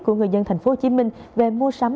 của người dân thành phố hồ chí minh về mua sắm